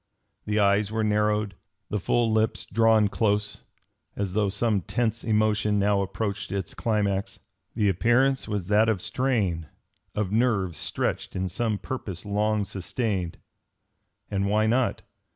The eyes were narrowed, the full lips drawn close, as though some tense emotion now approached its climax. The appearance was that of strain, of nerves stretched in some purpose long sustained. And why not?